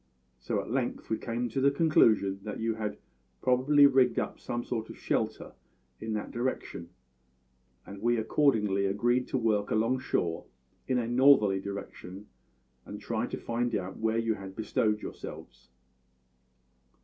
So at length we came to the conclusion that you had probably rigged up some sort of a shelter in that direction; and we accordingly agreed to work along shore in a northerly direction, and try to find out where you had bestowed yourselves.